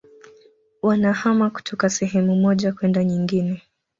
wanahama kutoka sehemu moja kwenda nyingine